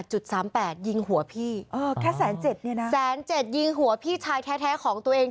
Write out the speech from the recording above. จุด๓๘ยิงหัวพี่แสนเจ็ดยิงหัวพี่ชายแท้ของตัวเอง